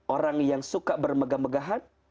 orang yang suka bermegah megahan